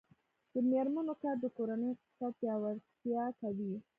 د میرمنو کار د کورنۍ اقتصاد پیاوړتیا کوي.